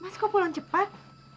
mas kau pulang cepat